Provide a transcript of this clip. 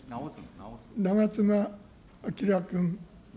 長妻昭君。